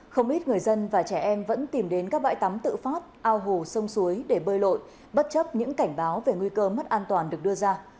không ít người dân và trẻ em vẫn tìm đến các bãi tắm tự phát ao hồ sông suối để bơi lội bất chấp những cảnh báo về nguy cơ mất an toàn được đưa ra